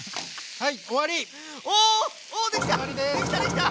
はい！